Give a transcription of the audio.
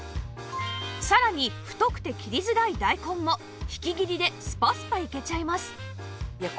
さらに太くて切りづらい大根も引き切りでスパスパいけちゃいます